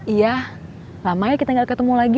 iya lamanya kita gak ketemu lagi